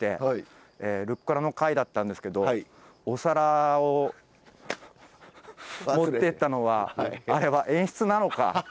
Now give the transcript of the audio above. ルッコラの回だったんですけどお皿を持ってったのはあれは演出なのかと。